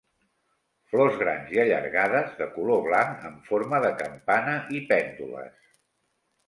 Flors grans i allargades, de color blanc amb forma de campana i pèndules.